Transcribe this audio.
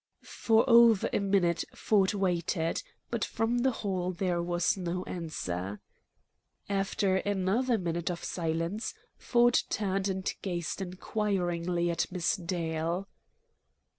For over a minute Ford waited, but from the hall there was no answer. After another minute of silence, Ford turned and gazed inquiringly at Miss Dale.